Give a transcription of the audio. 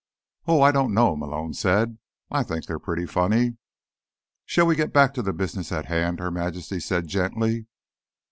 "Oh, I don't know," Malone said. "I think they're pretty funny." "Shall we get back to the business at hand?" Her Majesty said gently.